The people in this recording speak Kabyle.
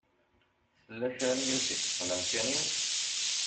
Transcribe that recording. Tella kra n yiwet i yeṭṭfen amkan-iw.